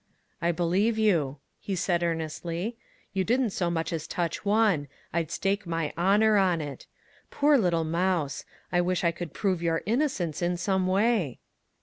" I believe you," he said earnestly. " You didn't so much as touch one; I'd stake my honor on it. Poor little mouse ! I wish I could prove your innocence in some way."